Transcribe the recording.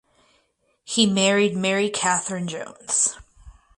He married Mary Catherine Jones.